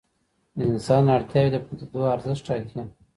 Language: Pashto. د انسان اړتیاوې د پدیدو ارزښت ټاکي.